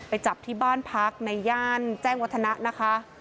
ไปจับที่บ้านพักในย่านแจ้งวัฒนะนะคะ